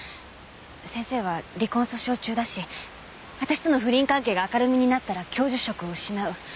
先生は離婚訴訟中だし私との不倫関係が明るみになったら教授職を失う。